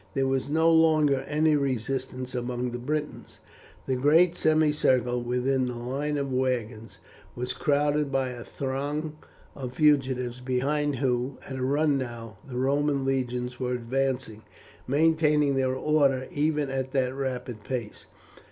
There was no longer any resistance among the Britons. The great semicircle within the line of wagons was crowded by a throng of fugitives behind whom, at a run now, the Roman legions were advancing, maintaining their order even at that rapid pace.